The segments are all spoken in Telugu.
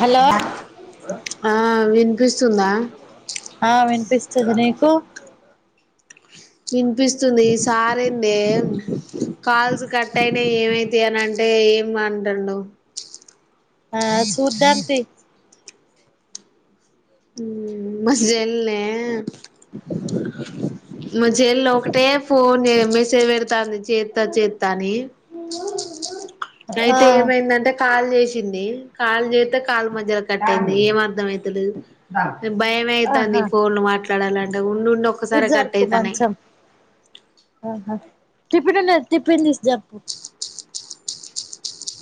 హలో ఆ వినిపిస్తుందా ఆ వినిపిస్తుంది నీకు వినిపిస్తుంది ఈ సారేందే కాల్స్ కట్ అయినా ఏమైతయి అని అంటే ఏమ్ అంటుండు ఆ సూద్దాం తి మస్ జల్నే మా చెల్లి ఒకటే ఫోన్ మెసేజ్ పెడతాంది చేత్తా చేత్తా అని ఆ అయితే ఏమైందంటే కాల్ చేస్ చింది కాల్ చేత్తే కాల్ మధ్యలో కట్ అయింది ఏమ్ అర్థం అయింది భయం అయితాంది ఆహా ఫోన్ లు మాట్లాడాలంటే ఉండిండి ఒక్క సారే పు మంచం మ్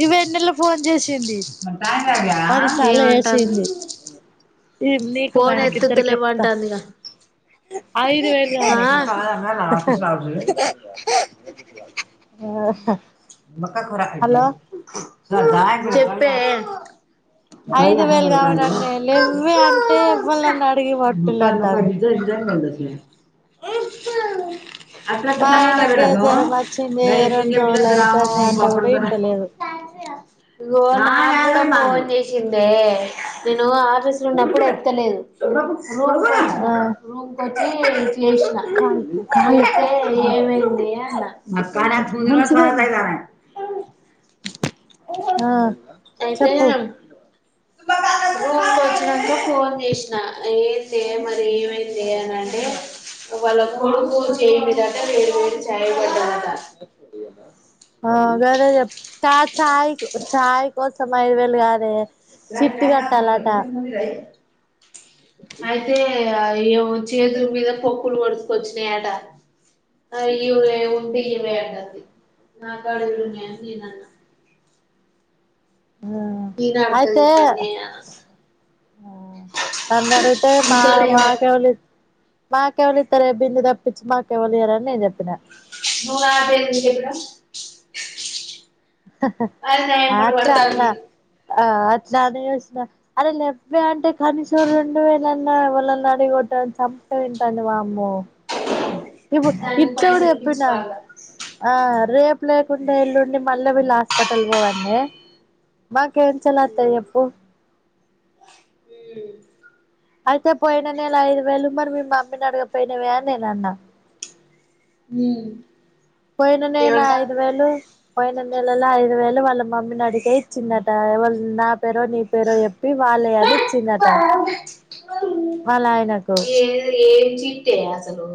ఈ వెన్నెల ఫోన్ చేసింది అది చాలా ఏమంటాంది ఎసింది నీకు మా ఫోన్ ఆయనకి ఇద్దరికి చెప్తా ఎత్తుతలేమంటాందిగా ఐదు వేలు గందా ఆ చెప్పే గయ ఐదు వేలు హంగారు కావాలంటే కా లెవ్వే అంటే నకాా ఎవ్వళని అడిగి పట్టులు నొకాా అంటాంది బద్ద ఇద్ద [unintelligible] అలా మా కిసానాలా వెట ఆయనకే గ జ్వరం [unintelligible] వచ్చింది నై రెండు సింగప్పడ రోజులు అయితాంది త్రామం అంటే కూడా కొప్పుడుతు ఇంటలేదు ఇగో మాట్లడదమని ఫోన్ చేసిందే నేను ఆఫీసు లో ఉన్నప్పుడు ఎత్తలేదు రూమ్ కి వచ్చిన ఆ రూమ్ కి వచ్చి చేసిన కాల్ కాలు చేస్తే కాలు ఏమైందే అన్న కార మంచిగానే చుందరతాారా ఆ [unintelligible] అయితే చెప్పు రూమ్ కి వచ్చినక ఫోన్ జేస్ అ ఏందే మరి ఏమైందె అని అంటే వాళ్ళ కొడుకు చెయ్యి మీద వేడివేడి చాయ్ పడ్డది గదే చెప్ తా చాయ్ కు చాయ్ కోసమని ఐదు వేలు గాదె అయితే ఇగ యో చేతుల్ మీద పొక్కులు పొడుచుకొచ్చినీ యట అయ్యో ఏముంది ఈమె అంటది నా కాడ ఏముందే నేను అన్న హ అయితే అ తన్ని అడిగితే మా నీతోటే మా ఎవల్ ఇ మాకెవ్ల్ ఇత్తారె బిల్లు తప్పించి మాకెవ్వల్ ఇయరు అని నేన్ చెప్పినా నువ్వు నా పేరు ఎందుకు ఇక్కడ అది నా ఎంబడి అట్లా అన్న పడతాంది ఆ అట్లా అనేసిన అదే లెవ్వే అంటే కనీసం రెండు వేల్ ళ్ళన్న ఎవల్ నన్న అడిగి పట్రా అని సంపుకు తింటాది వామ్మో నువ్వు దానికి ఇట్ల కూడా పైసలు పిచ్చి చెప్పిన పాడలా ఆ రేపు లేకుండా ఎల్లుండి మల్ల వెల్లి హాస్పిటల్ బోవన్నె మాకేం ఛలంతా చెప్పు మ్ అయితే పోయిన నేలా ఐదు వేలు మరి మీ మమ్మీని అడగక పోయినవే నేన్ అన్న మ్మ్ పోయిన నేల ఐదు వేలు పోయిన నెలల ఐదు వేలు వాళ్ళ మమ్మీనె అడిగె ఇచ్చిద్దట ఎవల్ నా పేరో నీ పేరో చెప్పి వా వళ్ళగానే ఇచ్చిందట వాళ్ళ ఆయనకు ఏ ఏం చిటే అసలు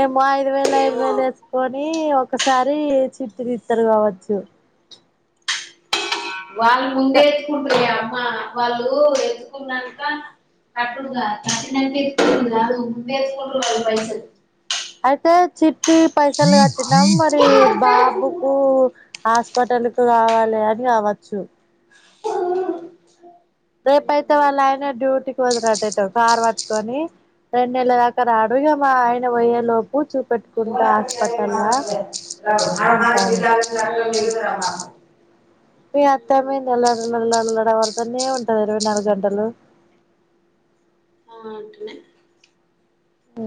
ఏమ్మా ఐదు వేలు ఐదు ఏమో వేలు ఏసుకొనిఅ ఒక్కసారి చిట్టి దీత్తరు గావచ్చు వాళ్ళ ముందే ఎత్తుకుంటురె అమ్మ వాళ్ళు ఎత్తుకున్నాంక అట్డుగా చేతనైతే [unintelligible] ముందే ఏసుకుంటున్నడ్ పైసలు అయితే చిట్టి పైసలు కట్టినాం మరి బాబుకు ఆస్ స్పెటలుకు గావాలె అని రావచ్చు రేపైతే వాళ్ళ ఆయనే డ్యూటీకి పోదురొఅటెట్టో కార్ వట్టుకొని రెన్నెళ్ల దాకా రాడు ఇగ మా ఆయన వోయ్యే లోపు చూపెట్ట్ అంటారు [unintelligible] మీ అత్తమ్మ ఏందే నల్లడలలడలడవరతోనే ఉంటది ఇరవై నాలుగు గంటలు ఆ అట్టనే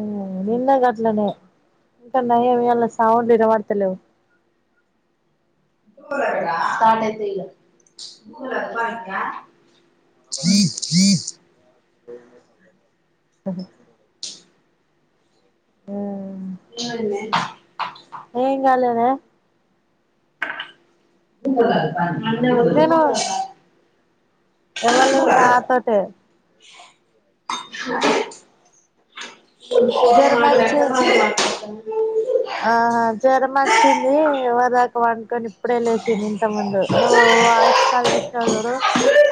మ్ నిన్నా గట్లనే ఇంకా నయం ఈయల్లా సౌండ్ ఇనవాడ్తాలేవ్ [inaudible] [unintelligible] చీజ్ చీజ్ ఉహు యా ఏమైందే ఎం గాలేదే [unintelligible] ఎవల్లు నా తోటే చూడ్ ఫోన్ జ్వరం వచ్చి మాట్లాడతను అన్ని మాట్లాడతను ఆహా జరమచ్ చ్చింది ఇవర్దాక్ వన్కొని ఇప్పుడే లేసింది ఇంతక్ ముందు నువ్వు వాయిస్ కాల్ చేసినవ్ జుడు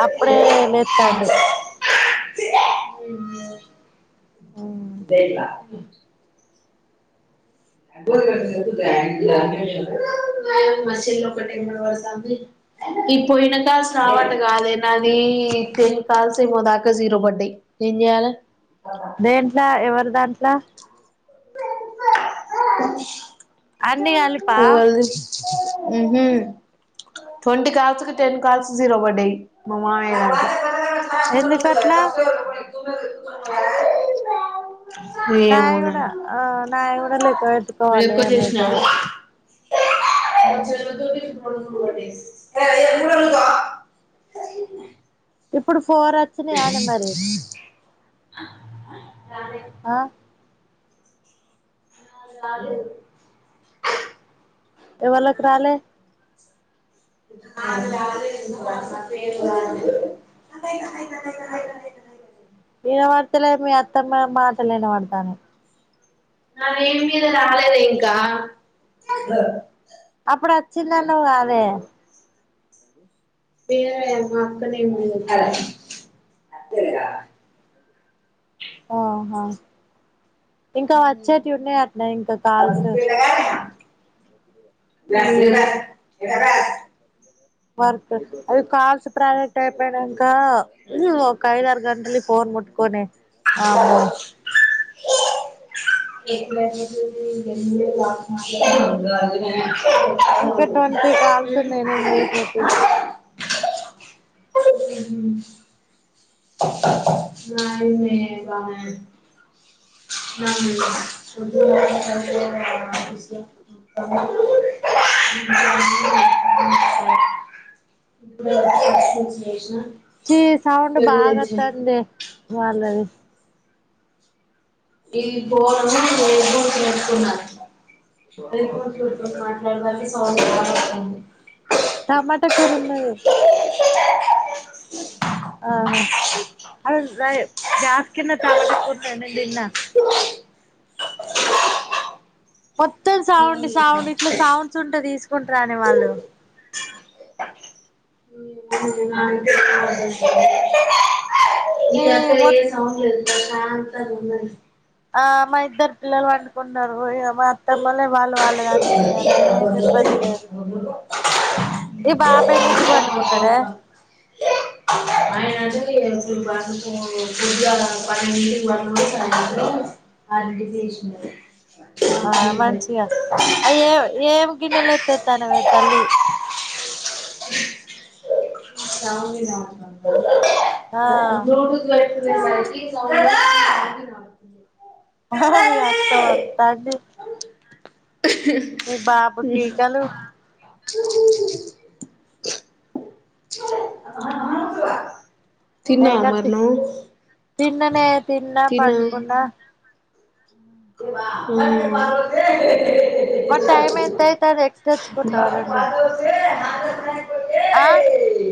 అప్పుడే లేత్తాండు ఊమ్ లేటుగా [unintelligible] ఇప్పు ఇన కాల్ రావంటాకాదే నాది టెన్ కాల్ ఏమో దాకా జీరో బడ్డాయి ఏం జెయాలె దేంట్లా ఎవరి దాంట్లా అన్ని కలిపా ఎవర్ది ఉహు ట్వంటీ కల్స్ కి టెన్ కల్స్ జీరో బడ్డాయ్ మా మామయ్య ఎందుకట్లా ఏమో నాయి నది కూడా ఆ నాయి గుడా లెక్క వెట్టుకోవాలె ఏమైతదో ఎ ఇప్పుడు ఫోరొచ్చినయాలే మరి రాలేదు ఆ సార్లేదు ఎవళ్ళకు రాల [unintelligible] ఇనవడ్తలే మీ అత్తమ్మ మాటలు ఇనబడతాన్నాయ్ నావి ఎనిమిది గాలే దే ఇంకా అప్పుడొచ్చిందన్నావ్ గాదే ఏమే వతలేవు [unintelligible] అత్తెరిగ ఆహా ఇంకా వచ్చేటివి ఉన్నాయి అట్నా ఇంకా కాల్స్ మ్మ్ వర్క్ ఆది అది కాల్స్ ప్రాజెక్ట్ అయ్యిపోయినంక ఒక ఐదారు గంటలి ఫోన్ ముట్కొని ఆమో [inaudible] ఇంకా ట్వంటీ కాల్స్ నేనే ఏం చేసినట్ న నిన్నే [inaudible] [inaudible] [inaudible] చీ సౌండ్ బాగోత్తంది వాళ్ళది ఇది పో [inaudible] వెళ్ళి పో చూడు మాట్లాడనికి సౌండ్ వత్తంది [unintelligible] పోరున్నది ఆహా [inaudible] గ్యాస్కిన్న టమాట కూర నేను తిన్న మొత్తం సౌండ్ సౌండ్ ఇట్ల సౌండ్స్ ఉంటే తీసుకుంటారనే వాళ్ళు ఈ ఇక్కడంతా మొ వేరే సౌండ్లు [unintelligible] ఉందని ఆ మా ఇద్దరు పిల్లలు వండుకున్నారు ఇగ మా అత్తమ్మలు లేదు [inaudible] ఈ బాబు ఎన్నిటికీ వండుకుంటడే [inaudible] అన్ని చేసిన [unintelligible] అయ్యేవి ఏమి ఏమి గిన్నెలు ఎత్తెతండవే తల్లి [inaudible] లైట్ ఆ కిస్ ఆన్ చేసి వినాల్సింది మీ అత్త అంటాంది మీ బాబు గీకలు [unintelligible] ఏం కాద్ మరి తీ నువ్వు తిన్ననే తిన్న తిన్నా పండుకున్న [inaudible] మ్మ్ మరి టైం ఎంత అయితది ఎక్స్ తెచ్చుకుంటావ రొండు అది అప్పుడే అయిపోదు ఆ ఆ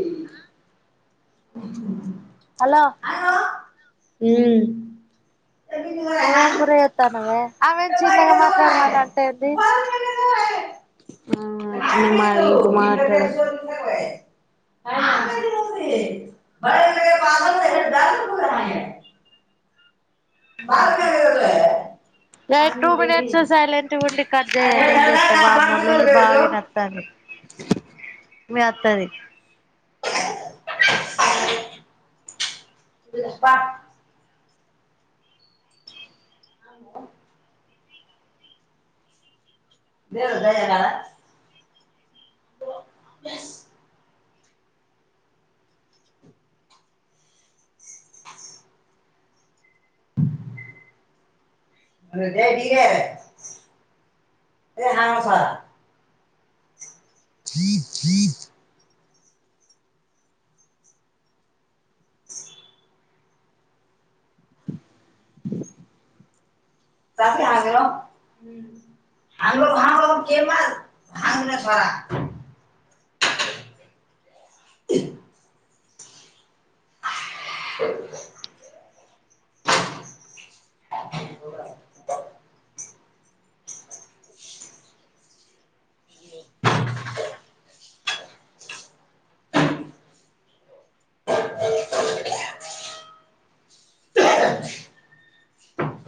ఉ హలో మ్మ్ నువ్వేం కూర చెత్తన్నవే ఆమెను చిన్నగా మాట్లాడమని అంటే ఏంది [unintelligible] ఆమె అట్టనే మాట్లాడుతు బడ వె ప ఆహ ఆగు దె ఉండి కట్ చేయండి నేను చేత్తా వామ్మో లొల్లి బాగా ఇనత్తాంది [inaudible] మీ అత్తది నీ అబ్బా అవును దేవుడు దయగల రేపు ఇయ్యవే. రేపు అమావాస్య. జీత్ జీత్ సాత్ కి ఆగినవో ఆంగ్గో అంగో కేం బార్ ఆగ్దో సోడా [inaudible] [unintelligible]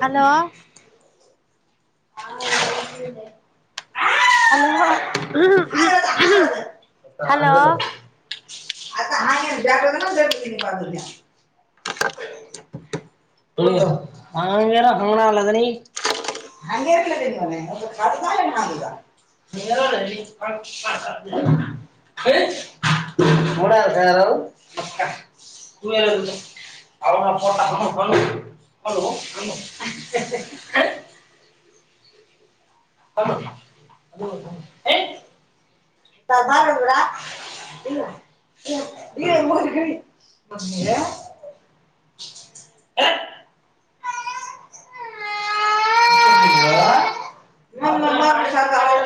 హలో హలో హలో ముడ చారో కూర అయిందో చూడే అమ్మో హలో ఏ త బాడా [unintelligible] ఏ మన్ మన్ శార్దో